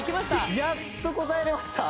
やっと答えられました。